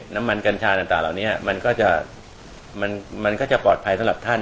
น้ำมันกัญชาต่างเหล่านี้มันก็จะปลอดภัยสำหรับท่าน